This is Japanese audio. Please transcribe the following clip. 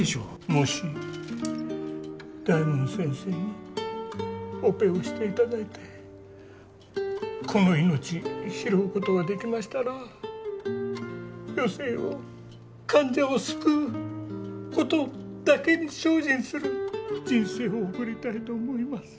もし大門先生にオペをして頂いてこの命拾う事が出来ましたら余生を患者を救う事だけに精進する人生を送りたいと思います。